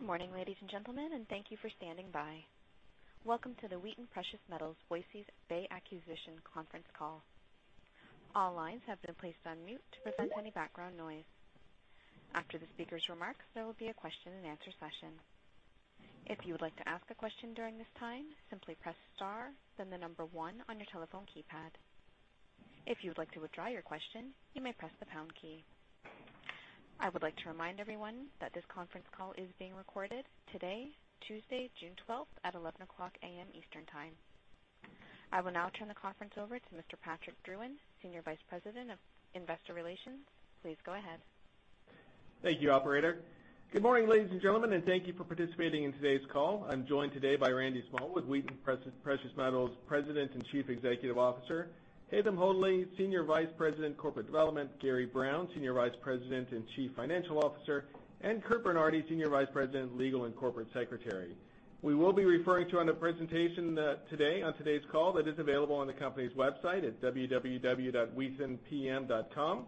Good morning, ladies and gentlemen, and thank you for standing by. Welcome to the Wheaton Precious Metals Voisey's Bay Acquisition conference call. All lines have been placed on mute to prevent any background noise. After the speakers' remarks, there will be a question and answer session. If you would like to ask a question during this time, simply press star then the number one on your telephone keypad. If you would like to withdraw your question, you may press the pound key. I would like to remind everyone that this conference call is being recorded today, Tuesday, June 12th at 11:00 A.M. Eastern Time. I will now turn the conference over to Mr. Patrick Drouin, Senior Vice President of Investor Relations. Please go ahead. Thank you, operator. Good morning, ladies and gentlemen, and thank you for participating in today's call. I'm joined today by Randy Smallwood, Wheaton Precious Metals President and Chief Executive Officer, Haytham Hodaly, Senior Vice President of Corporate Development, Gary Brown, Senior Vice President and Chief Financial Officer, and Curt Bernardi, Senior Vice President Legal and Corporate Secretary. We will be referring to on the presentation today on today's call that is available on the company's website at www.wheatonpm.com.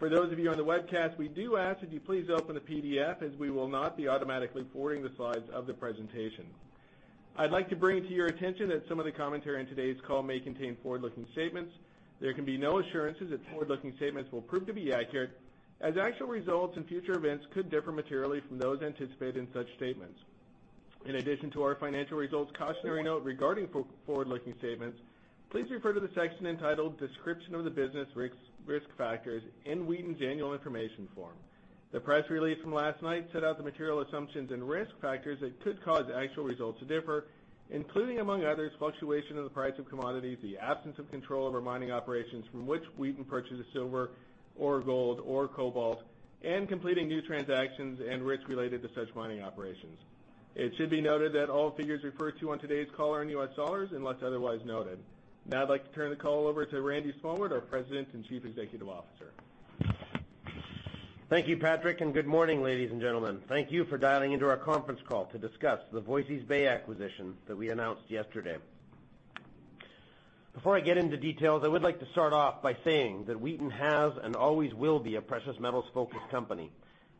For those of you on the webcast, we do ask that you please open the PDF as we will not be automatically forwarding the slides of the presentation. I'd like to bring to your attention that some of the commentary on today's call may contain forward-looking statements. There can be no assurances that forward-looking statements will prove to be accurate as actual results in future events could differ materially from those anticipated in such statements. In addition to our financial results cautionary note regarding forward-looking statements, please refer to the section entitled Description of the Business – Risk Factors in Wheaton's annual information form. The press release from last night set out the material assumptions and risk factors that could cause actual results to differ, including, among others, fluctuation in the price of commodities, the absence of control over mining operations from which Wheaton purchases silver or gold or cobalt, and completing new transactions and risks related to such mining operations. It should be noted that all figures referred to on today's call are in US dollars unless otherwise noted. Now I'd like to turn the call over to Randy Smallwood, our President and Chief Executive Officer. Thank you, Patrick, and good morning, ladies and gentlemen. Thank you for dialing into our conference call to discuss the Voisey's Bay acquisition that we announced yesterday. Before I get into details, I would like to start off by saying that Wheaton has and always will be a precious metals-focused company.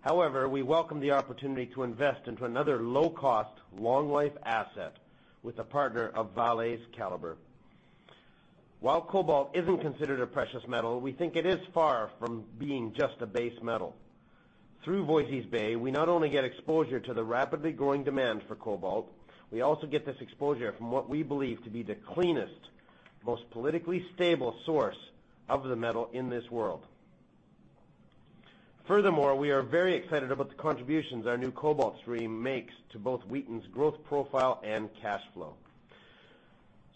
However, we welcome the opportunity to invest into another low-cost, long-life asset with a partner of Vale's caliber. While cobalt isn't considered a precious metal, we think it is far from being just a base metal. Through Voisey's Bay, we not only get exposure to the rapidly growing demand for cobalt, we also get this exposure from what we believe to be the cleanest, most politically stable source of the metal in this world. Furthermore, we are very excited about the contributions our new cobalt stream makes to both Wheaton's growth profile and cash flow.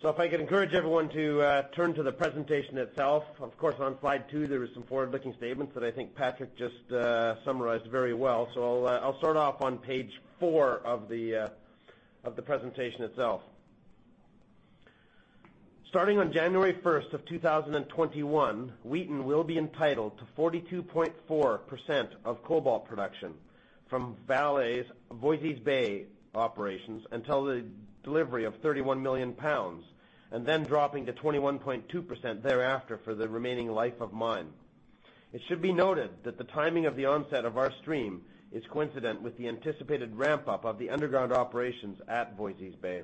If I could encourage everyone to turn to the presentation itself, of course, on slide two, there is some forward-looking statements that I think Patrick just summarized very well. I'll start off on page four of the presentation itself. Starting on January 1, 2021, Wheaton will be entitled to 42.4% of cobalt production from Vale's Voisey's Bay operations until the delivery of 31 million pounds, and then dropping to 21.2% thereafter for the remaining life of mine. It should be noted that the timing of the onset of our stream is coincident with the anticipated ramp-up of the underground operations at Voisey's Bay.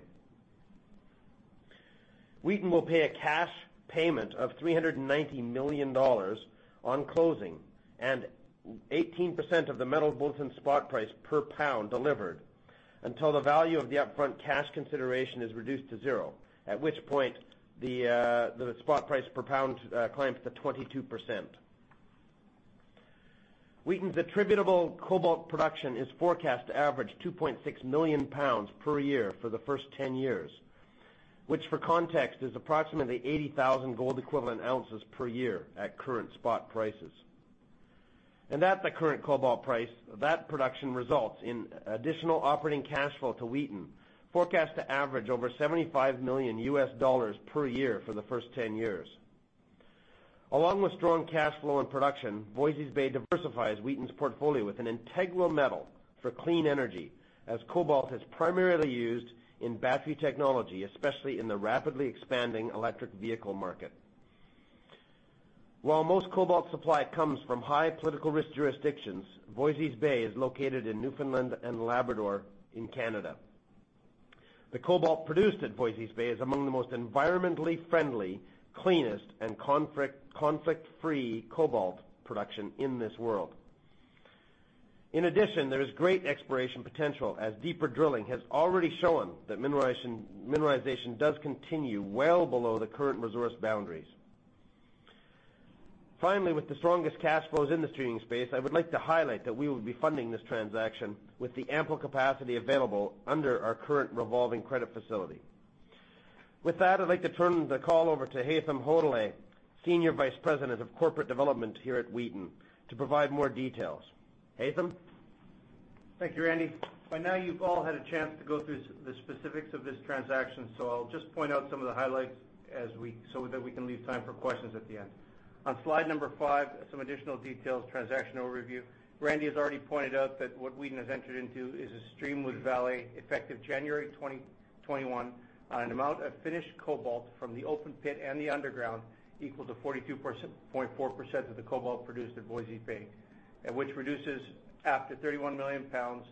Wheaton will pay a cash payment of $390 million on closing and 18% of the Metal Bulletin spot price per pound delivered until the value of the upfront cash consideration is reduced to zero, at which point the spot price per pound climbs to 22%. Wheaton's attributable cobalt production is forecast to average 2.6 million pounds per year for the first 10 years, which, for context, is approximately 80,000 gold equivalent ounces per year at current spot prices. At the current cobalt price, that production results in additional operating cash flow to Wheaton forecast to average over $75 million US dollars per year for the first 10 years. Along with strong cash flow and production, Voisey's Bay diversifies Wheaton's portfolio with an integral metal for clean energy as cobalt is primarily used in battery technology, especially in the rapidly expanding electric vehicle market. While most cobalt supply comes from high political risk jurisdictions, Voisey's Bay is located in Newfoundland and Labrador in Canada. The cobalt produced at Voisey's Bay is among the most environmentally friendly, cleanest, and conflict-free cobalt production in this world. In addition, there is great exploration potential as deeper drilling has already shown that mineralization does continue well below the current resource boundaries. Finally, with the strongest cash flows in the streaming space, I would like to highlight that we will be funding this transaction with the ample capacity available under our current revolving credit facility. With that, I'd like to turn the call over to Haytham Hodaly, Senior Vice President of Corporate Development here at Wheaton to provide more details. Haytham? Thank you, Randy. By now, you've all had a chance to go through the specifics of this transaction, I'll just point out some of the highlights so that we can leave time for questions at the end. On slide number five, some additional details, transaction overview. Randy has already pointed out that what Wheaton has entered into is a stream with Vale effective January 2021 on an amount of finished cobalt from the open pit and the underground equal to 42.4% of the cobalt produced at Voisey's Bay, and which reduces after 31 million pounds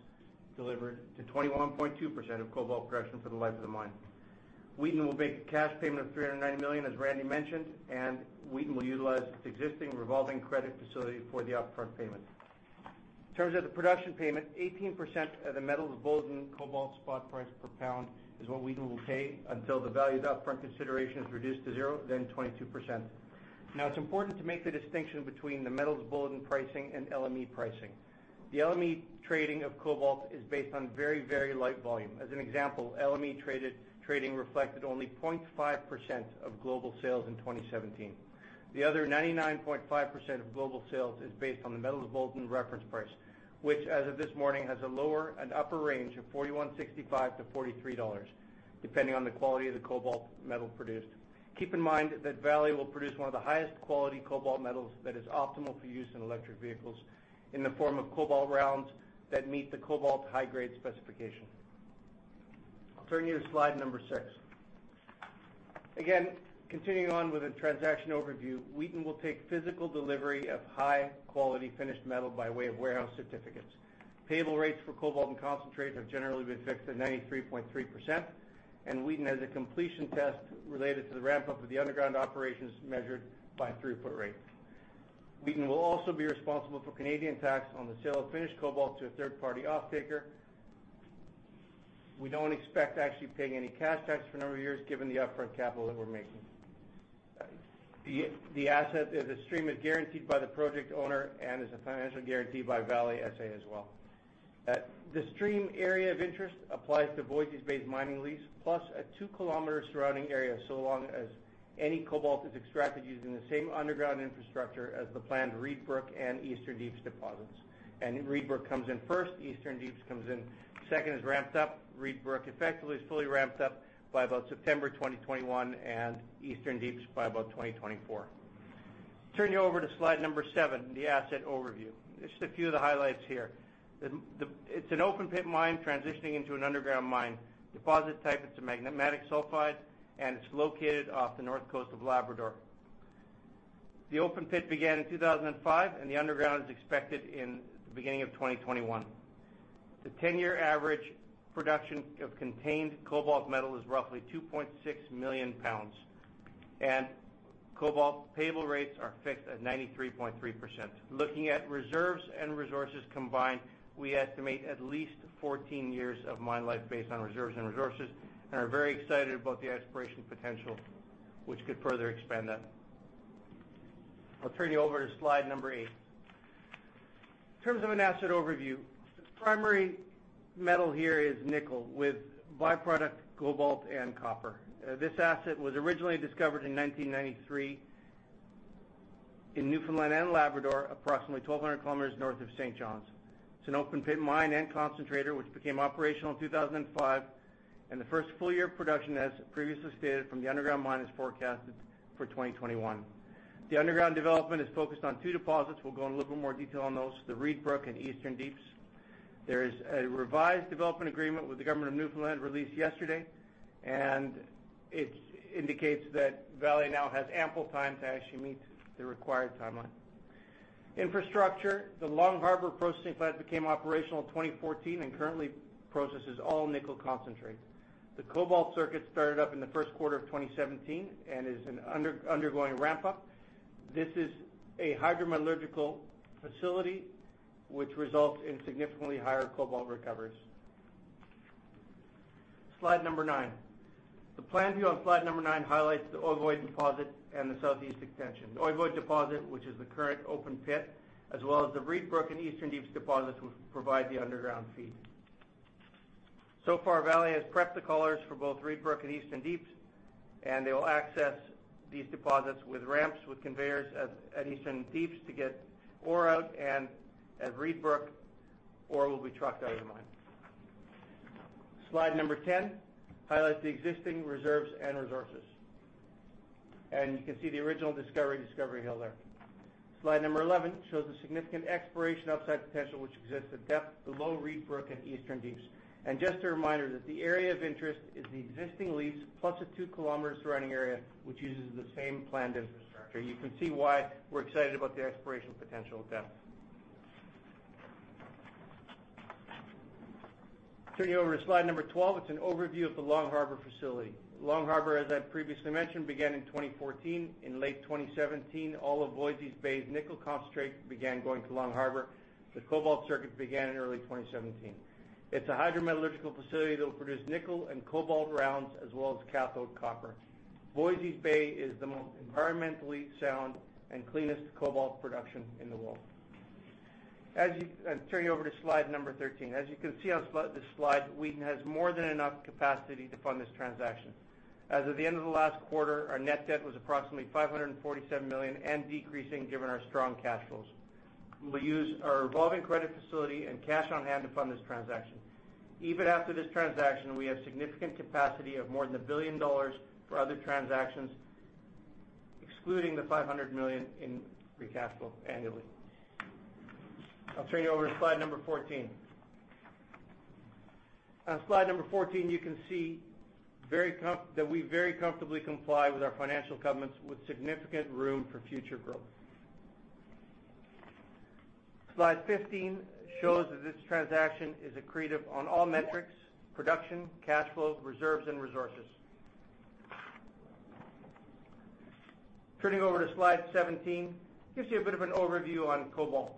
delivered to 21.2% of cobalt production for the life of the mine. Wheaton will make a cash payment of $390 million, as Randy mentioned, and Wheaton will utilize its existing revolving credit facility for the upfront payment. In terms of the production payment, 18% of the Metal Bulletin cobalt spot price per pound is what Wheaton will pay until the value of upfront consideration is reduced to zero, then 22%. It's important to make the distinction between the Metal Bulletin pricing and LME pricing. The LME trading of cobalt is based on very light volume. As an example, LME trading reflected only 0.5% of global sales in 2017. The other 99.5% of global sales is based on the Metal Bulletin reference price, which as of this morning has a lower and upper range of $41.65-$43, depending on the quality of the cobalt metal produced. Keep in mind that Vale will produce one of the highest quality cobalt metals that is optimal for use in electric vehicles in the form of cobalt rounds that meet the cobalt high-grade specification. I'll turn you to slide number 6. Continuing on with the transaction overview, Wheaton will take physical delivery of high-quality finished metal by way of warehouse certificates. Payable rates for cobalt and concentrate have generally been fixed at 93.3%, and Wheaton has a completion test related to the ramp-up of the underground operations measured by through-put rates. Wheaton will also be responsible for Canadian tax on the sale of finished cobalt to a third party off-taker. We don't expect to actually pay any cash tax for a number of years, given the upfront capital that we're making. The stream is guaranteed by the project owner and has a financial guarantee by Vale S.A. as well. The stream area of interest applies to Voisey's Bay's mining lease, plus a two-kilometer surrounding area, so long as any cobalt is extracted using the same underground infrastructure as the planned Reid Brook and Eastern Deeps deposits. Reid Brook comes in first, Eastern Deeps comes in second, is ramped up. Reid Brook effectively is fully ramped up by about September 2021 and Eastern Deeps by about 2024. Turn you over to slide number 7, the asset overview. Just a few of the highlights here. It's an open pit mine transitioning into an underground mine. Deposit type, it's a magmatic sulfide, and it's located off the north coast of Labrador. The open pit began in 2005, and the underground is expected in the beginning of 2021. The 10-year average production of contained cobalt metal is roughly 2.6 million pounds, and cobalt payable rates are fixed at 93.3%. Looking at reserves and resources combined, we estimate at least 14 years of mine life based on reserves and resources and are very excited about the exploration potential, which could further expand that. I'll turn you over to slide number 8. In terms of an asset overview, the primary metal here is nickel, with by-product cobalt and copper. This asset was originally discovered in 1993 in Newfoundland and Labrador, approximately 1,200 kilometers north of St. John's. It's an open pit mine and concentrator, which became operational in 2005, and the first full year of production, as previously stated from the underground mine, is forecasted for 2021. The underground development is focused on two deposits. We'll go in a little bit more detail on those, the Reid Brook and Eastern Deeps. There is a revised development agreement with the government of Newfoundland released yesterday. It indicates that Vale now has ample time to actually meet the required timeline. Infrastructure, the Long Harbour processing plant became operational in 2014 and currently processes all nickel concentrate. The cobalt circuit started up in the first quarter of 2017 and is undergoing ramp-up. This is a hydrometallurgical facility, which results in significantly higher cobalt recoveries. Slide number nine. The plan view on slide number nine highlights the Ovoid deposit and the southeast extension. The Ovoid deposit, which is the current open pit, as well as the Reid Brook and Eastern Deeps deposits, will provide the underground feed. Far, Vale has prepped the collars for both Reid Brook and Eastern Deeps. They will access these deposits with ramps, with conveyors at Eastern Deeps to get ore out, and at Reid Brook, ore will be trucked out of the mine. Slide 10 highlights the existing reserves and resources. You can see the original discovery hill there. Slide 11 shows the significant exploration upside potential, which exists at depth below Reid Brook and Eastern Deeps. Just a reminder that the area of interest is the existing lease plus a two-kilometer surrounding area, which uses the same planned infrastructure. You can see why we're excited about the exploration potential of depth. Turn you over to Slide 12. It's an overview of the Long Harbour facility. Long Harbour, as I previously mentioned, began in 2014. In late 2017, all of Voisey's Bay nickel concentrate began going to Long Harbour. The cobalt circuit began in early 2017. It's a hydrometallurgical facility that will produce nickel and cobalt rounds, as well as cathode copper. Voisey's Bay is the most environmentally sound and cleanest cobalt production in the world. I'll turn you over to Slide 13. As you can see on this slide, Wheaton has more than enough capacity to fund this transaction. As of the end of the last quarter, our net debt was approximately $547 million and decreasing, given our strong cash flows. We'll use our revolving credit facility and cash on hand to fund this transaction. Even after this transaction, we have significant capacity of more than $1 billion for other transactions, excluding the $500 million in free cash flow annually. I'll turn you over to Slide 14. On Slide 14, you can see that we very comfortably comply with our financial covenants with significant room for future growth. Slide 15 shows that this transaction is accretive on all metrics, production, cash flow, reserves, and resources. Turning over to Slide 17, gives you a bit of an overview on cobalt.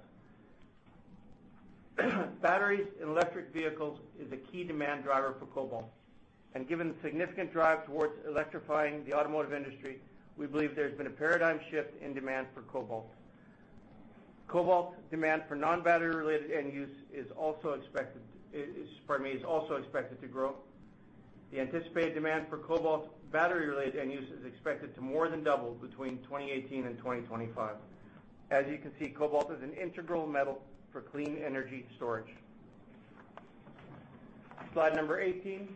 Batteries in electric vehicles is a key demand driver for cobalt. Given the significant drive towards electrifying the automotive industry, we believe there's been a paradigm shift in demand for cobalt. Cobalt demand for non-battery related end use is also expected to grow. The anticipated demand for cobalt battery related end use is expected to more than double between 2018 and 2025. As you can see, cobalt is an integral metal for clean energy storage. Slide 18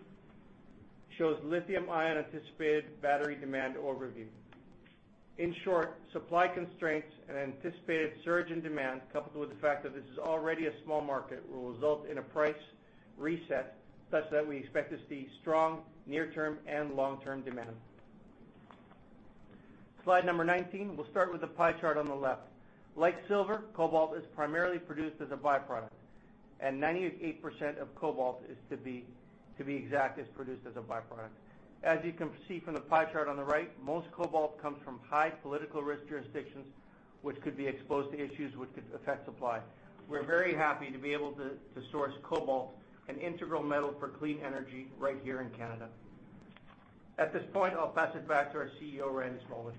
shows lithium-ion anticipated battery demand overview. In short, supply constraints and anticipated surge in demand, coupled with the fact that this is already a small market, will result in a price reset such that we expect to see strong near-term and long-term demand. Slide number 19. We will start with the pie chart on the left. Like silver, cobalt is primarily produced as a by-product, and 98% of cobalt is to be exact, is produced as a by-product. As you can see from the pie chart on the right, most cobalt comes from high political risk jurisdictions, which could be exposed to issues which could affect supply. We are very happy to be able to source cobalt, an integral metal for clean energy, right here in Canada. At this point, I will pass it back to our CEO, Randy Smallwood.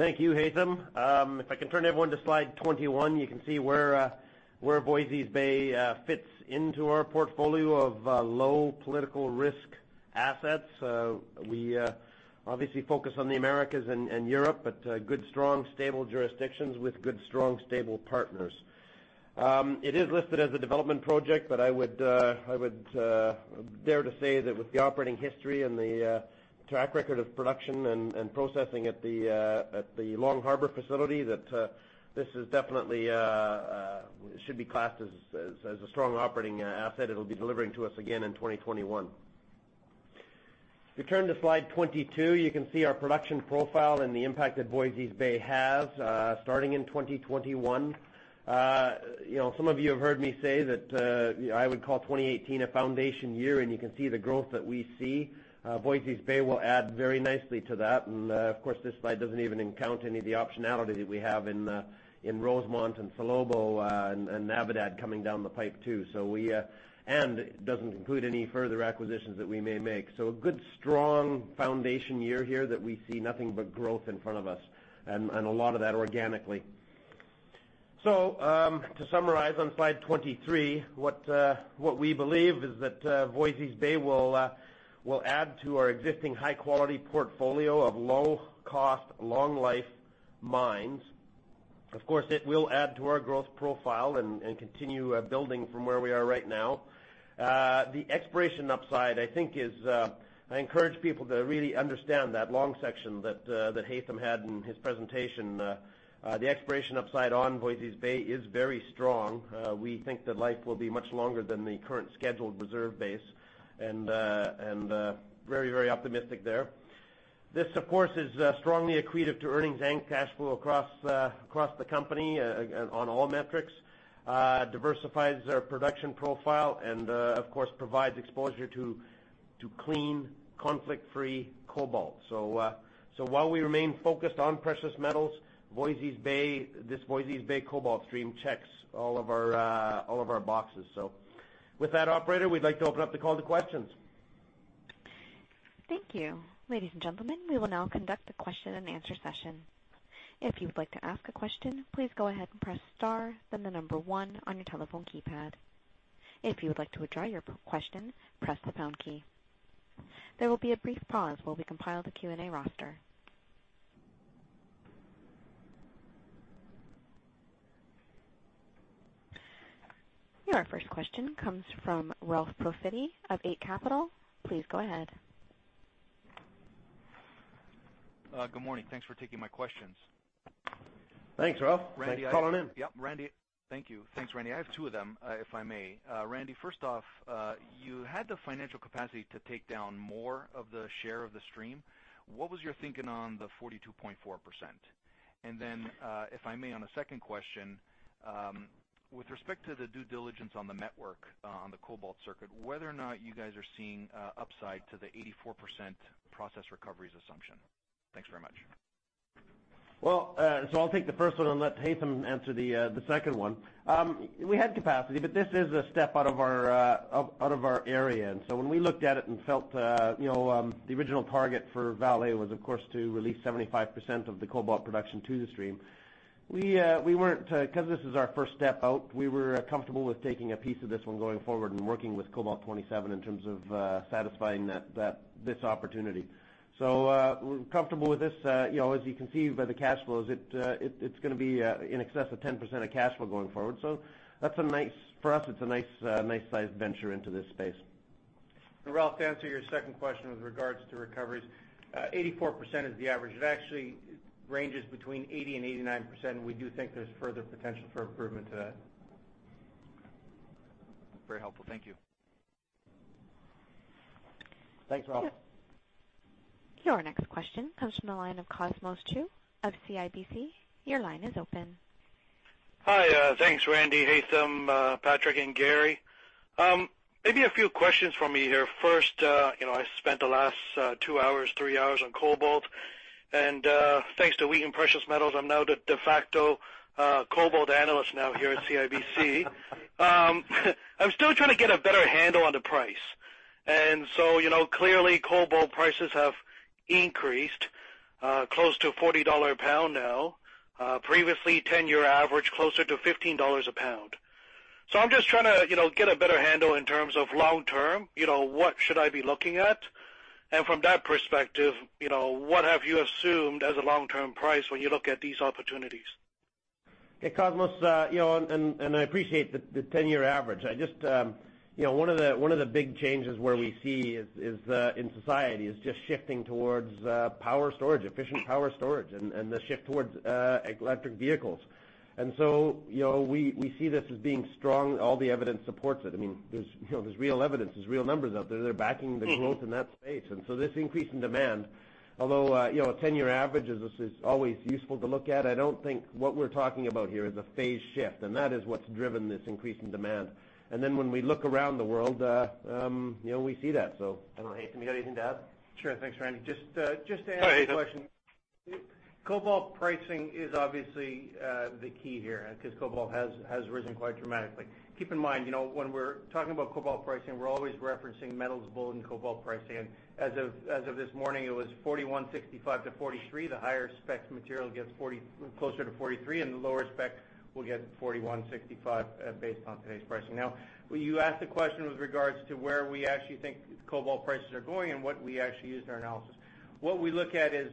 Thank you, Haytham. If I can turn everyone to slide 21, you can see where Voisey's Bay fits into our portfolio of low political risk assets. We obviously focus on the Americas and Europe, but good, strong, stable jurisdictions with good, strong, stable partners. It is listed as a development project, but I would dare to say that with the operating history and the track record of production and processing at the Long Harbour facility, that this definitely should be classed as a strong operating asset. It will be delivering to us again in 2021. If you turn to slide 22, you can see our production profile and the impact that Voisey's Bay has starting in 2021. Some of you have heard me say that I would call 2018 a foundation year, and you can see the growth that we see. Voisey's Bay will add very nicely to that, of course, this slide does not even encounter any of the optionality that we have in Rosemont and Salobo and Navidad coming down the pipe too. It does not include any further acquisitions that we may make. A good strong foundation year here that we see nothing but growth in front of us, and a lot of that organically. To summarize on slide 23, what we believe is that Voisey's Bay will add to our existing high-quality portfolio of low-cost, long-life mines. Of course, it will add to our growth profile and continue building from where we are right now. The exploration upside, I encourage people to really understand that long section that Haytham had in his presentation. The exploration upside on Voisey's Bay is very strong. We think that life will be much longer than the current scheduled reserve base, very optimistic there. This, of course, is strongly accretive to earnings and cash flow across the company on all metrics. Diversifies our production profile, of course, provides exposure to clean conflict free cobalt. While we remain focused on precious metals, this Voisey's Bay cobalt stream checks all of our boxes. With that operator, we would like to open up the call to questions. Thank you. Ladies and gentlemen, we will now conduct a question and answer session. If you would like to ask a question, please go ahead and press star, then the number one on your telephone keypad. If you would like to withdraw your question, press the pound key. There will be a brief pause while we compile the Q&A roster. Your first question comes from Ralph Profiti of Eight Capital. Please go ahead. Good morning. Thanks for taking my questions. Thanks, Ralph. Thanks for calling in. Yep. Randy. Thank you. Thanks, Randy. I have two of them, if I may. Randy, first off, you had the financial capacity to take down more of the share of the stream. What was your thinking on the 42.4%? If I may, on a second question, with respect to the due diligence on the network on the cobalt circuit, whether or not you guys are seeing upside to the 84% process recoveries assumption. Thanks very much. I'll take the first one and let Haytham answer the second one. We had capacity, but this is a step out of our area in. When we looked at it and felt the original target for Vale was, of course, to release 75% of the cobalt production to the stream. Because this is our first step out, we were comfortable with taking a piece of this one going forward and working with Cobalt 27 in terms of satisfying this opportunity. We're comfortable with this. As you can see by the cash flows, it's going to be in excess of 10% of cash flow going forward. For us, it's a nice size venture into this space. Ralph, to answer your second question with regards to recoveries, 84% is the average. It actually ranges between 80% and 89%, and we do think there's further potential for improvement to that. Very helpful. Thank you. Thanks, Ralph. Your next question comes from the line of Cosmos Chiu of CIBC. Your line is open. Hi. Thanks, Randy, Haytham, Patrick, and Gary. Maybe a few questions from me here. First, I spent the last two hours, three hours on cobalt, and thanks to Wheaton Precious Metals, I'm now the de facto cobalt analyst now here at CIBC. I'm still trying to get a better handle on the price. Clearly, cobalt prices have increased close to $40 a pound now. Previously, 10-year average, closer to $15 a pound. I'm just trying to get a better handle in terms of long-term, what should I be looking at? From that perspective, what have you assumed as a long-term price when you look at these opportunities? Hey, Cosmos. I appreciate the 10-year average. One of the big changes where we see is in society, is just shifting towards power storage, efficient power storage, and the shift towards electric vehicles. We see this as being strong. All the evidence supports it. There's real evidence, there's real numbers out there that are backing the growth in that space. This increase in demand, although a 10-year average is always useful to look at, I don't think what we're talking about here is a phase shift, and that is what's driven this increase in demand. When we look around the world we see that. I don't know, Haytham, you got anything to add? Sure. Thanks, Randy. Just to answer the question. Hi, Haytham. Cobalt pricing is obviously the key here, because cobalt has risen quite dramatically. Keep in mind, when we're talking about cobalt pricing, we're always referencing Metal Bulletin cobalt pricing. As of this morning, it was $41.65-$43, the higher spec material gets closer to $43, and the lower spec will get $41.65 based on today's pricing. You asked the question with regards to where we actually think cobalt prices are going and what we actually use in our analysis. What we look at is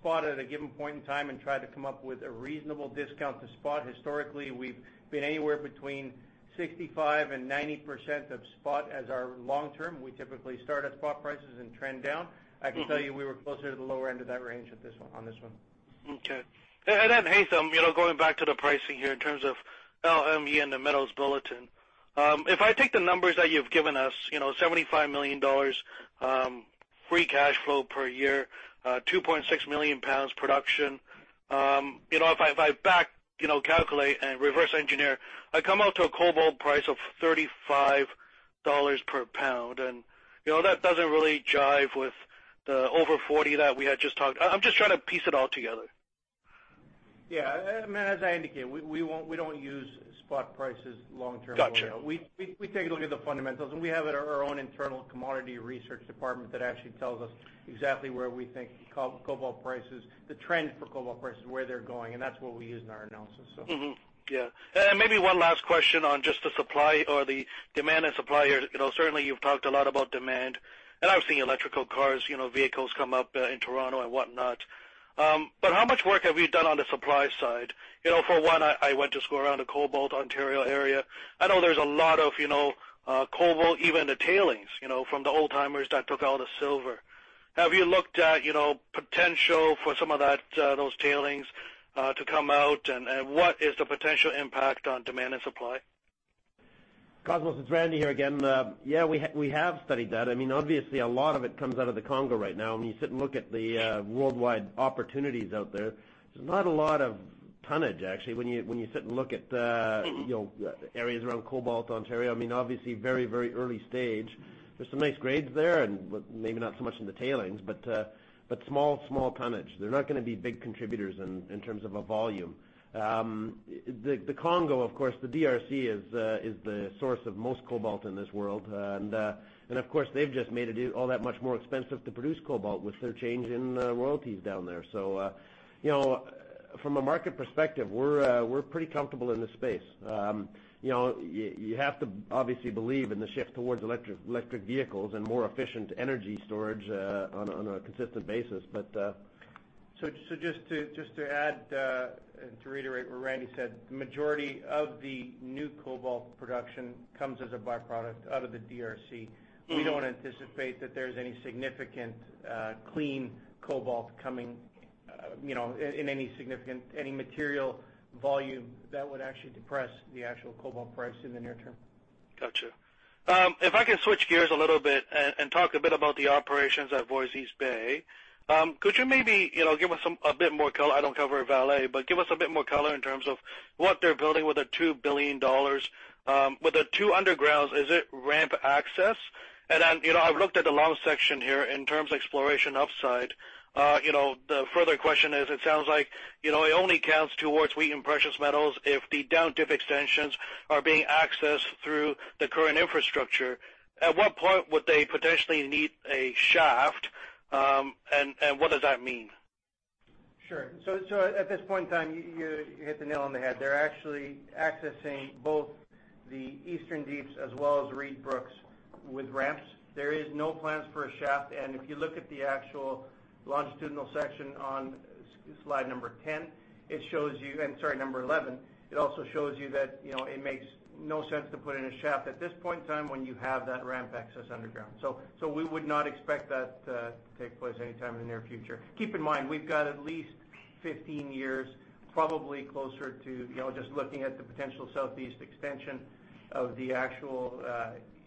spot at a given point in time and try to come up with a reasonable discount to spot. Historically, we've been anywhere between 65%-90% of spot as our long-term. We typically start at spot prices and trend down. I can tell you we were closer to the lower end of that range on this one. Okay. Haytham, going back to the pricing here in terms of LME and the Metal Bulletin. If I take the numbers that you've given us, $75 million free cash flow per year, 2.6 million pounds production. If I back calculate and reverse engineer, I come out to a cobalt price of $35 per pound, that doesn't really jive with the over $40 that we had just talked about. I'm just trying to piece it all together. Yeah. As I indicated, we don't use spot prices long-term. Got you. We take a look at the fundamentals, and we have our own internal commodity research department that actually tells us exactly where we think the trend for cobalt prices, where they're going, and that's what we use in our analysis. Yeah. Maybe one last question on just the demand and supply. Certainly, you've talked a lot about demand, and I've seen electrical cars, vehicles come up in Toronto and whatnot. How much work have you done on the supply side? For one, I went to school around the Cobalt, Ontario area. I know there's a lot of cobalt, even the tailings, from the old-timers that took all the silver. Have you looked at potential for some of those tailings to come out, and what is the potential impact on demand and supply? Cosmos Chiu, it's Randy here again. We have studied that. A lot of it comes out of the Congo right now. When you sit and look at the worldwide opportunities out there's not a lot of tonnage, actually. When you sit and look at areas around Cobalt, Ontario, very early stage. There's some nice grades there, maybe not so much in the tailings, but small tonnage. They're not going to be big contributors in terms of a volume. The Congo, of course, the DRC is the source of most cobalt in this world. Of course, they've just made it all that much more expensive to produce cobalt with their change in royalties down there. From a market perspective, we're pretty comfortable in this space. You have to obviously believe in the shift towards electric vehicles and more efficient energy storage on a consistent basis. Just to add and to reiterate what Randy said, the majority of the new cobalt production comes as a byproduct out of the DRC. We don't anticipate that there's any significant clean cobalt coming in any material volume that would actually depress the actual cobalt price in the near term. Got you. If I can switch gears a little bit and talk a bit about the operations at Voisey's Bay. Could you maybe give us a bit more color, I don't cover Vale, but give us a bit more color in terms of what they're building with their $2 billion. With the two undergrounds, is it ramp access? I've looked at the long section here in terms of exploration upside. The further question is, it sounds like, it only counts towards Wheaton Precious Metals if the down dip extensions are being accessed through the current infrastructure. At what point would they potentially need a shaft? What does that mean? Sure. At this point in time, you hit the nail on the head. They're actually accessing both the Eastern Deeps as well as Reid Brook with ramps. There is no plans for a shaft. If you look at the actual longitudinal section on slide number 10, and sorry, number 11, it also shows you that it makes no sense to put in a shaft at this point in time when you have that ramp access underground. We would not expect that to take place anytime in the near future. Keep in mind, we've got at least 15 years, probably closer to just looking at the potential southeast extension of the actual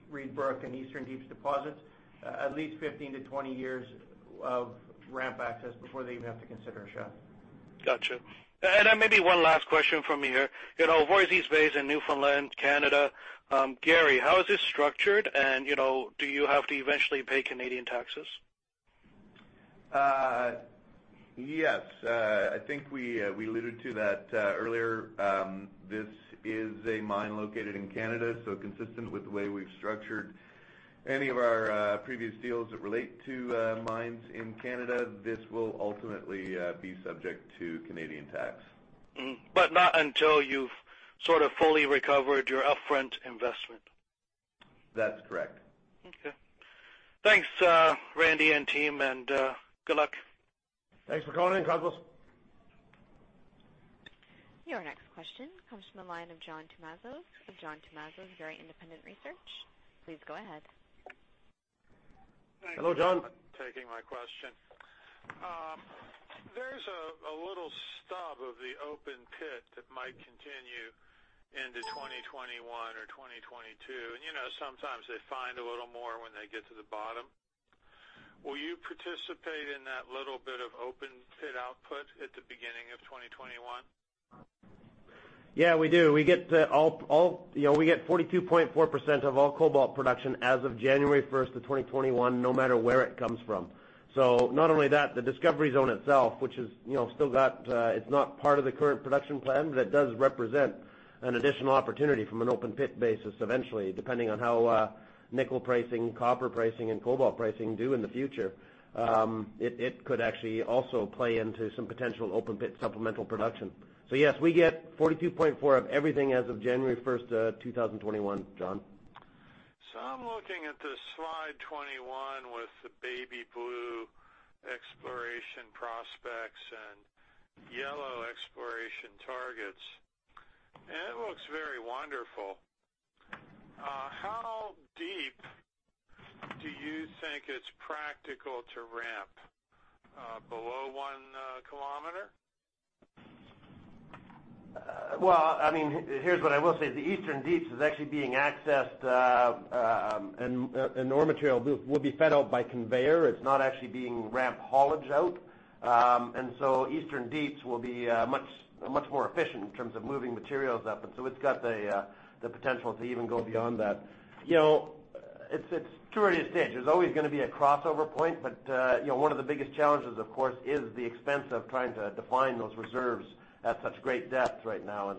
Reid Brook and Eastern Deeps deposits, at least 15 to 20 years of ramp access before they even have to consider a shaft. Got you. Maybe one last question from me here. Voisey's Bay is in Newfoundland, Canada. Gary, how is this structured, and do you have to eventually pay Canadian taxes? Yes. I think we alluded to that earlier. This is a mine located in Canada. Consistent with the way we've structured any of our previous deals that relate to mines in Canada, this will ultimately be subject to Canadian tax. Not until you've sort of fully recovered your upfront investment. That's correct. Okay. Thanks, Randy and team, and good luck. Thanks for calling in, Cosmos. Your next question comes from the line of John Tumazos with John Tumazos Very Independent Research. Please go ahead. Hello, John. Thank you for taking my question. There's a little stub of the open pit that might continue into 2021 or 2022, and sometimes they find a little more when they get to the bottom. Will you participate in that little bit of open pit output at the beginning of 2021? Yeah, we do. We get 42.4% of all cobalt production as of January 1st of 2021, no matter where it comes from. Not only that, the discovery zone itself, it's not part of the current production plan, but it does represent an additional opportunity from an open pit basis eventually, depending on how nickel pricing, copper pricing, and cobalt pricing do in the future. It could actually also play into some potential open pit supplemental production. Yes, we get 42.4% of everything as of January 1st, 2021, John. I'm looking at the slide 21 with the baby blue exploration prospects and yellow exploration targets, and it looks very wonderful. How deep do you think it's practical to ramp, below one kilometer? Well, here's what I will say. The Eastern Deeps is actually being accessed, and ore material will be fed out by conveyor. It's not actually being ramp hauled out. Eastern Deeps will be much more efficient in terms of moving materials up. It's got the potential to even go beyond that. It's too early a stage. There's always going to be a crossover point, but one of the biggest challenges, of course, is the expense of trying to define those reserves at such great depths right now.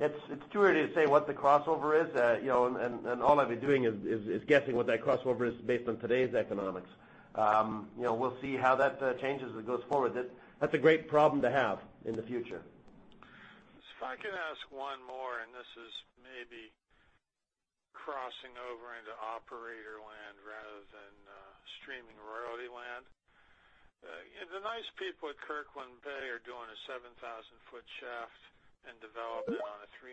It's too early to say what the crossover is, and all I'd be doing is guessing what that crossover is based on today's economics. We'll see how that changes as it goes forward. That's a great problem to have in the future. If I could ask one more, and this is maybe crossing over into operator land rather than streaming royalty land. The nice people at Kirkland Lake are doing a 7,000-foot shaft and developing it on a $320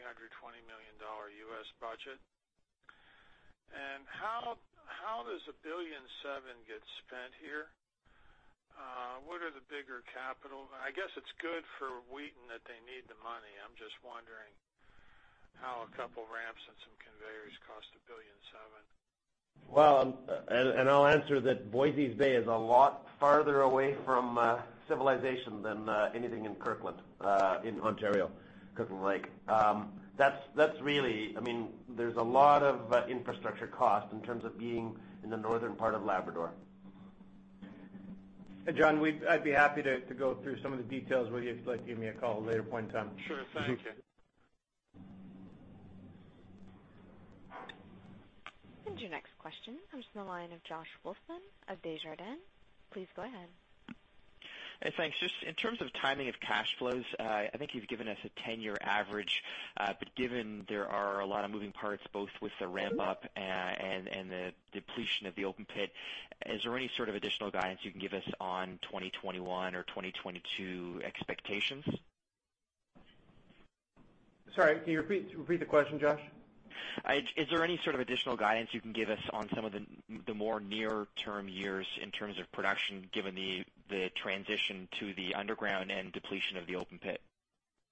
million US budget. How does $1.7 billion get spent here? What are the bigger capital? I guess it's good for Wheaton that they need the money. I'm just wondering how a couple ramps and some conveyors cost $1.7 billion. Well, I'll answer that Voisey's Bay is a lot farther away from civilization than anything in Kirkland Lake, in Ontario, Kirkland Lake. There's a lot of infrastructure cost in terms of being in the northern part of Labrador. John, I'd be happy to go through some of the details with you if you'd like to give me a call at a later point in time. Sure. Thank you. Your next question comes from the line of Josh Wolfson of Desjardins. Please go ahead. Thanks. Just in terms of timing of cash flows, I think you've given us a 10-year average, but given there are a lot of moving parts, both with the ramp up and the depletion of the open pit, is there any sort of additional guidance you can give us on 2021 or 2022 expectations? Sorry, can you repeat the question, Josh? Is there any sort of additional guidance you can give us on some of the more near-term years in terms of production, given the transition to the underground and depletion of the open pit?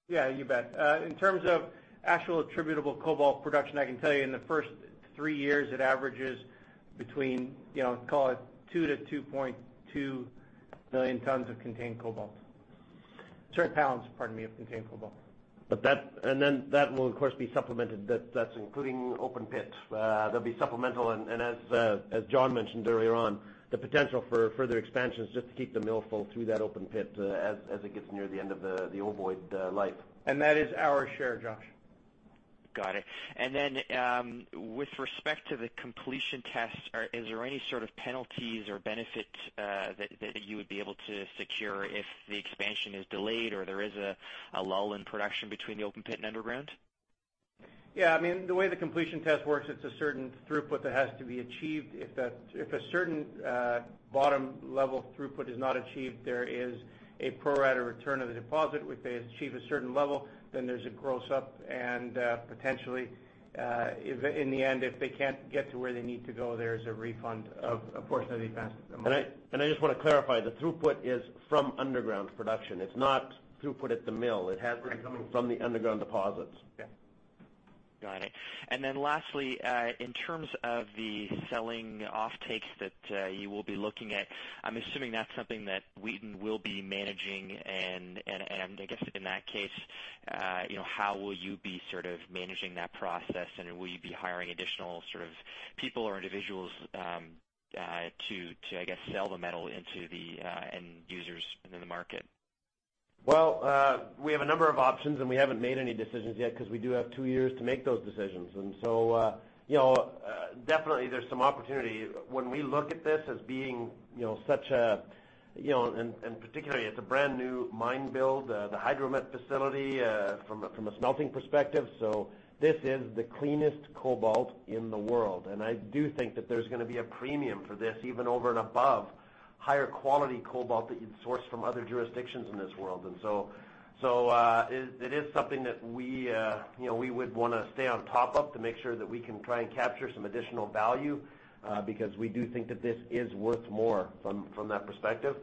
Yeah, you bet. In terms of actual attributable cobalt production, I can tell you in the first three years, it averages between, call it 2 to 2.2 million tons of contained cobalt. Sorry, pounds, pardon me, of contained cobalt. That will, of course, be supplemented. That's including open pit. There'll be supplemental, and as John mentioned earlier on, the potential for further expansions just to keep the mill full through that open pit as it gets near the end of the Ovoid life. That is our share, Josh. Got it. With respect to the completion test, is there any sort of penalties or benefits that you would be able to secure if the expansion is delayed or there is a lull in production between the open pit and underground? Yeah. The way the completion test works, it's a certain throughput that has to be achieved. If a certain bottom-level throughput is not achieved, there is a pro-rata return of the deposit. If they achieve a certain level, then there's a gross up, and potentially, in the end, if they can't get to where they need to go, there's a refund of a portion of the investment. I just want to clarify, the throughput is from underground production. It's not throughput at the mill. It has been coming from the underground deposits. Yes. Got it. Lastly, in terms of the selling offtakes that you will be looking at, I'm assuming that's something that Wheaton will be managing. I guess in that case, how will you be managing that process, and will you be hiring additional people or individuals to, I guess, sell the metal to the end users in the market? Well, we have a number of options, and we haven't made any decisions yet because we do have two years to make those decisions. Definitely there's some opportunity when we look at this as being such a Particularly, it's a brand-new mine build, the hydromet facility, from a smelting perspective. This is the cleanest cobalt in the world, and I do think that there's going to be a premium for this, even over and above higher quality cobalt that you'd source from other jurisdictions in this world. It is something that we would want to stay on top of to make sure that we can try and capture some additional value, because we do think that this is worth more from that perspective.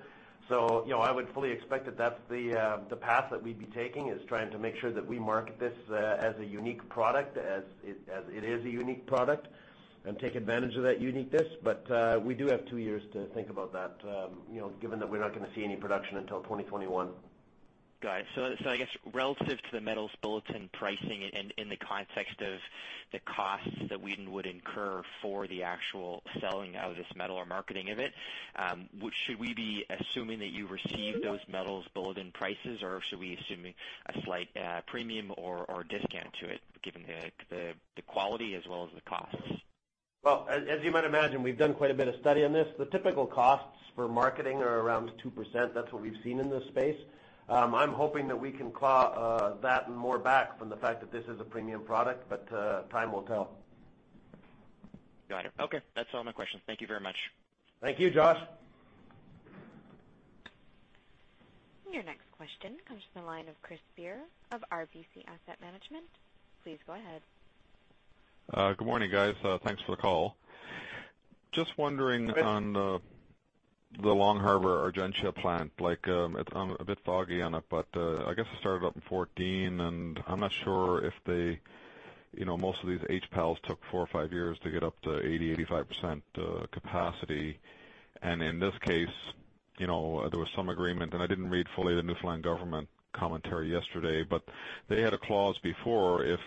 I would fully expect that that's the path that we'd be taking, is trying to make sure that we market this as a unique product, as it is a unique product, and take advantage of that uniqueness. We do have two years to think about that, given that we're not going to see any production until 2021. Got it. I guess relative to the Metal Bulletin pricing in the context of the costs that Wheaton would incur for the actual selling of this metal or marketing of it, should we be assuming that you receive those Metal Bulletin prices, or should we be assuming a slight premium or discount to it, given the quality as well as the costs? Well, as you might imagine, we've done quite a bit of study on this. The typical costs for marketing are around 2%. That's what we've seen in this space. I'm hoping that we can claw that and more back from the fact that this is a premium product, time will tell. Got it. Okay. That's all my questions. Thank you very much. Thank you, Josh. Your next question comes from the line of Chris Beer of RBC Global Asset Management. Please go ahead. Good morning, guys. Thanks for the call. Just wondering on the Long Harbour Argentia plant. I'm a bit foggy on it, but I guess it started up in 2014, I'm not sure if most of these HPALs took four or five years to get up to 80%-85% capacity. In this case, there was some agreement, I didn't read fully the Newfoundland government commentary yesterday, but they had a clause before if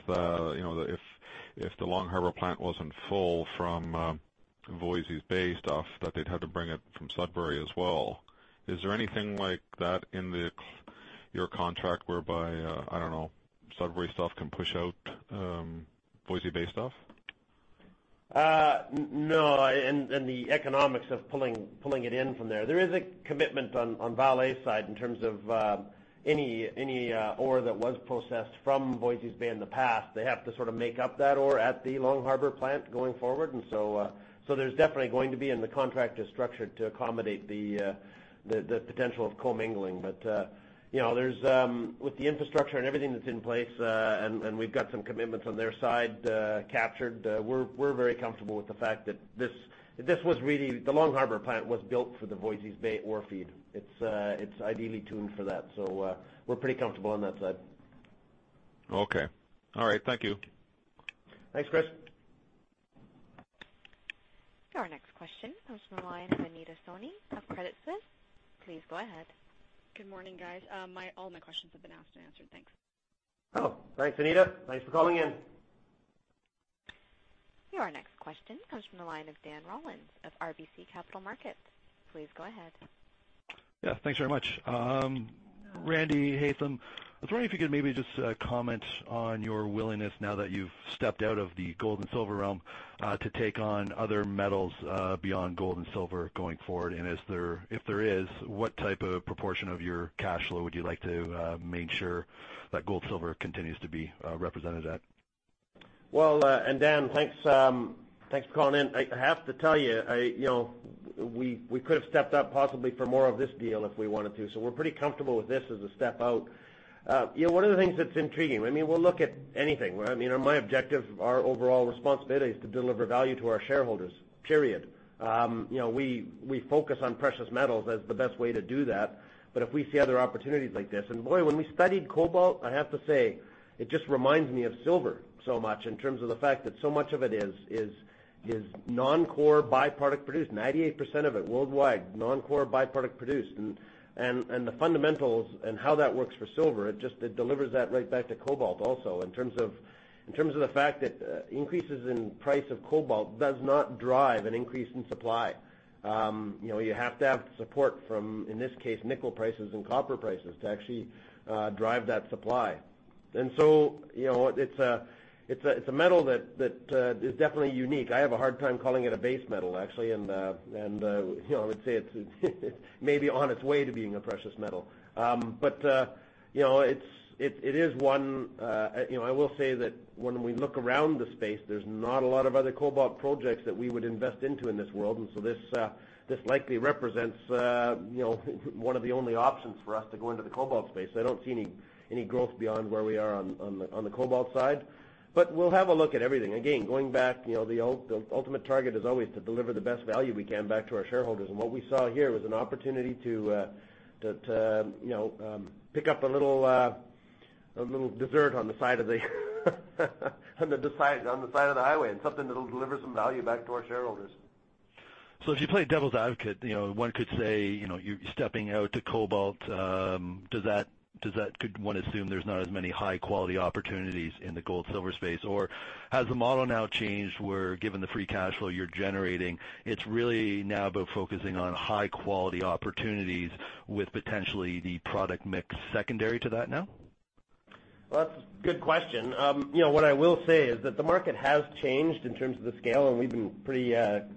the Long Harbour plant wasn't full from Voisey's Bay stuff, that they'd have to bring it from Sudbury as well. Is there anything like that in your contract whereby, I don't know, Sudbury stuff can push out Voisey's Bay stuff? No, the economics of pulling it in from there. There is a commitment on Vale's side in terms of any ore that was processed from Voisey's Bay in the past, they have to sort of make up that ore at the Long Harbour plant going forward. There's definitely going to be, the contract is structured to accommodate the potential of commingling. With the infrastructure and everything that's in place, we've got some commitments on their side captured, we're very comfortable with the fact that this was really The Long Harbour plant was built for the Voisey's Bay ore feed. It's ideally tuned for that. We're pretty comfortable on that side. Okay. All right. Thank you. Thanks, Chris. Your next question comes from the line of Anita Soni of Credit Suisse. Please go ahead. Good morning, guys. All my questions have been asked and answered. Thanks. Thanks, Anita. Thanks for calling in. Your next question comes from the line of Dan Rollins of RBC Capital Markets. Please go ahead. Yeah. Thanks very much. Randy, Haytham, I was wondering if you could maybe just comment on your willingness, now that you've stepped out of the gold and silver realm, to take on other metals beyond gold and silver going forward. If there is, what type of proportion of your cash flow would you like to make sure that gold, silver continues to be represented at? Well, Dan, thanks for calling in. I have to tell you, we could have stepped up possibly for more of this deal if we wanted to. We're pretty comfortable with this as a step out. One of the things that's intriguing, we'll look at anything. My objective, our overall responsibility is to deliver value to our shareholders, period. We focus on precious metals as the best way to do that, if we see other opportunities like this, boy, when we studied cobalt, I have to say, it just reminds me of silver so much in terms of the fact that so much of it is non-core by-product produced, 98% of it worldwide, non-core by-product produced. The fundamentals and how that works for silver, it delivers that right back to cobalt also in terms of the fact that increases in price of cobalt does not drive an increase in supply. You have to have support from, in this case, nickel prices and copper prices to actually drive that supply. It's a metal that is definitely unique. I have a hard time calling it a base metal, actually, I would say it's maybe on its way to being a precious metal. I will say that when we look around the space, there's not a lot of other cobalt projects that we would invest into in this world, this likely represents one of the only options for us to go into the cobalt space. I don't see any growth beyond where we are on the cobalt side. We'll have a look at everything. Again, going back, the ultimate target is always to deliver the best value we can back to our shareholders, and what we saw here was an opportunity to pick up a little dessert on the side of the highway and something that'll deliver some value back to our shareholders. If you play devil's advocate, one could say, you're stepping out to cobalt. Could one assume there's not as many high-quality opportunities in the gold-silver space? Has the model now changed where, given the free cash flow you're generating, it's really now about focusing on high-quality opportunities with potentially the product mix secondary to that now? Well, that's a good question. What I will say is that the market has changed in terms of the scale, and we've been pretty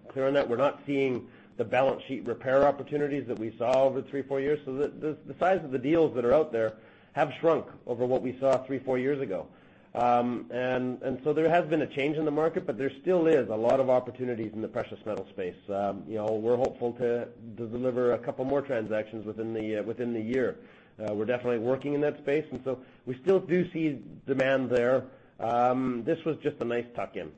clear on that. We're not seeing the balance sheet repair opportunities that we saw over three, four years. The size of the deals that are out there have shrunk over what we saw three, four years ago. There has been a change in the market, but there still is a lot of opportunities in the precious metal space. We're hopeful to deliver a couple more transactions within the year. We're definitely working in that space, and so we still do see demand there. This was just a nice tuck-in.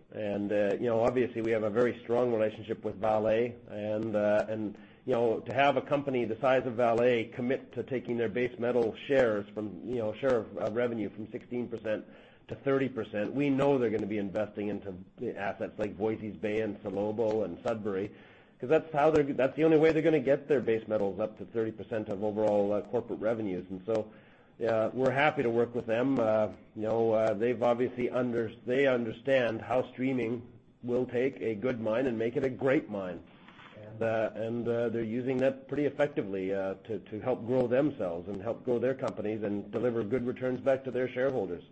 Obviously, we have a very strong relationship with Vale. To have a company the size of Vale commit to taking their base metal share of revenue from 16% to 30%, we know they're going to be investing into assets like Voisey's Bay and Salobo and Sudbury, because that's the only way they're going to get their base metals up to 30% of overall corporate revenues. We're happy to work with them. They understand how streaming will take a good mine and make it a great mine, and they're using that pretty effectively to help grow themselves and help grow their companies and deliver good returns back to their shareholders.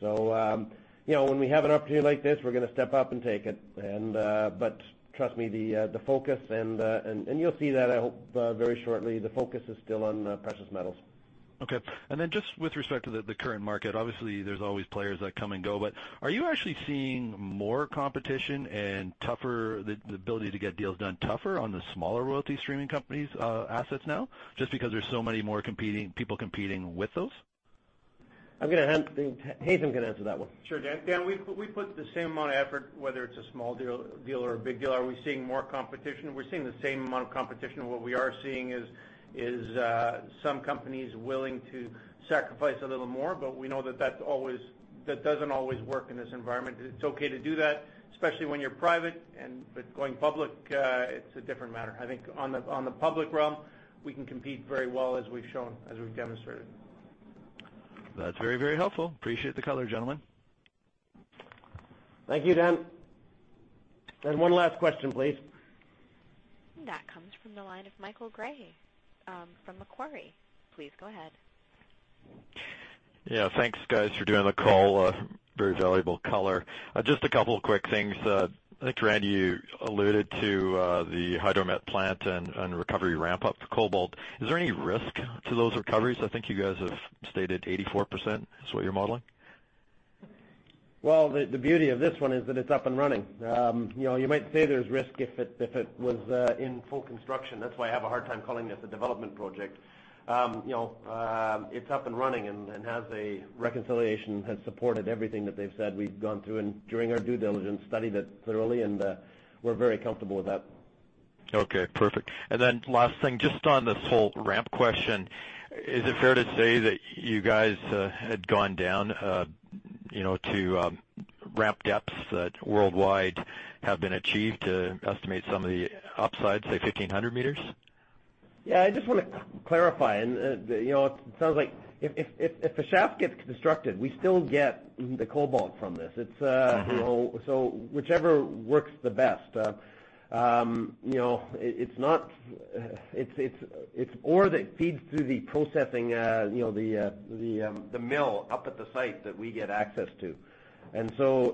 When we have an opportunity like this, we're going to step up and take it. Trust me, the focus, and you'll see that, I hope, very shortly, the focus is still on precious metals. Okay. Just with respect to the current market, obviously there's always players that come and go, but are you actually seeing more competition and the ability to get deals done tougher on the smaller royalty streaming companies' assets now, just because there's so many more people competing with those? I think Haytham can answer that one. Sure, Dan. We put the same amount of effort, whether it's a small deal or a big deal. Are we seeing more competition? We're seeing the same amount of competition. What we are seeing is some companies willing to sacrifice a little more. We know that doesn't always work in this environment. It's okay to do that, especially when you're private, going public, it's a different matter. I think on the public realm, we can compete very well as we've shown, as we've demonstrated. That's very helpful. Appreciate the color, gentlemen. Thank you, Dan. One last question, please. That comes from the line of Michael Gray, from Macquarie. Please go ahead. Yeah, thanks guys for doing the call. Very valuable color. Just a couple of quick things. I think, Randy, you alluded to the hydromet plant and recovery ramp up for cobalt. Is there any risk to those recoveries? I think you guys have stated 84% is what you're modeling. Well, the beauty of this one is that it's up and running. You might say there's risk if it was in full construction. That's why I have a hard time calling it the development project. It's up and running and has a reconciliation, has supported everything that they've said. We've gone through and, during our due diligence, studied it thoroughly, and we're very comfortable with that. Okay, perfect. Last thing, just on this whole ramp question, is it fair to say that you guys had gone down to ramp depths that worldwide have been achieved to estimate some of the upside, say 1,500 meters? Yeah, I just want to clarify. It sounds like if a shaft gets constructed, we still get the cobalt from this. Whichever works the best. It's ore that feeds through the processing, the mill up at the site that we get access to.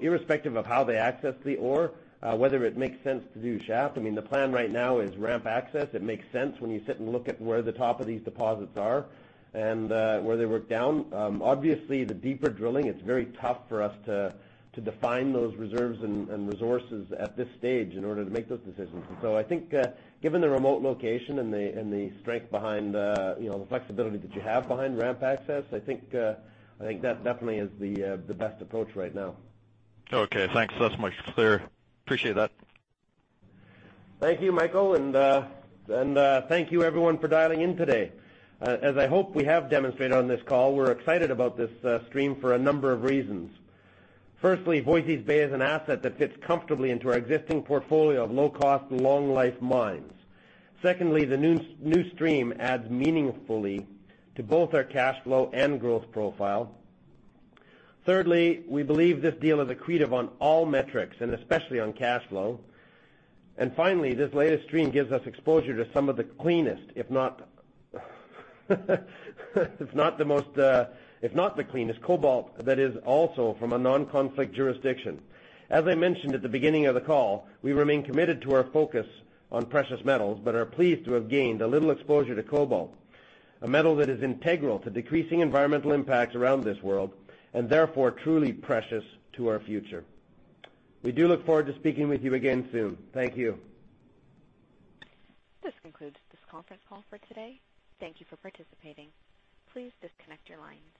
Irrespective of how they access the ore, whether it makes sense to do shaft, I mean, the plan right now is ramp access. It makes sense when you sit and look at where the top of these deposits are and where they work down. Obviously, the deeper drilling, it's very tough for us to define those reserves and resources at this stage in order to make those decisions. I think given the remote location and the flexibility that you have behind ramp access, I think that definitely is the best approach right now. Okay, thanks. That's much clearer. Appreciate that. Thank you, Michael, and thank you everyone for dialing in today. As I hope we have demonstrated on this call, we're excited about this stream for a number of reasons. Firstly, Voisey's Bay is an asset that fits comfortably into our existing portfolio of low-cost, long-life mines. Secondly, the new stream adds meaningfully to both our cash flow and growth profile. Thirdly, we believe this deal is accretive on all metrics, and especially on cash flow. Finally, this latest stream gives us exposure to some of the cleanest, if not the cleanest cobalt that is also from a non-conflict jurisdiction. As I mentioned at the beginning of the call, we remain committed to our focus on precious metals, but are pleased to have gained a little exposure to cobalt, a metal that is integral to decreasing environmental impacts around this world, and therefore truly precious to our future. We do look forward to speaking with you again soon. Thank you. This concludes this conference call for today. Thank you for participating. Please disconnect your lines.